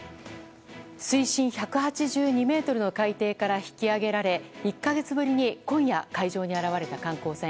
水深１８２ｍの海底から引き揚げられ１か月ぶりに今夜、海上に現れた観光船。